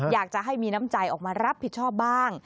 อยากจะให้มีน้ำใจออกมารับผิดชอบบ้าง